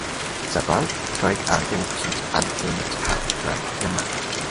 The bonus tracks are unlisted and do not have track numbers.